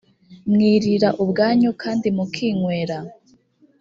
mwirira ubwanyu kandi mukinywera